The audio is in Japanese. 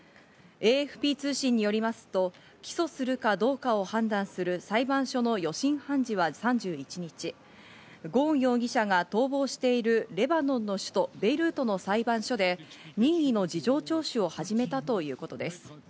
ＡＦＰ通信よりますと、起訴するかどうかを判断する裁判所の予審判事は３１日、ゴーン容疑者が逃亡しているレバノンの首都・ベイルートの裁判所で任意の事情聴取を始めたということです。